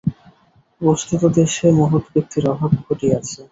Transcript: বস্তুত দেশে মহৎ ব্যক্তির অভাব ঘটিয়াছে।